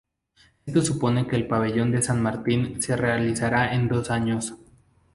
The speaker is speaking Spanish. Esto supone que el Pabellón de San Martín se realizara en dos años.